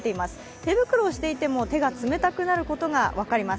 手袋をしていても手が冷たくなることが分かります。